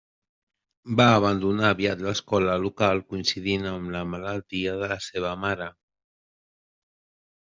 Va abandonar aviat l'escola local coincidint amb la malaltia de la seva mare.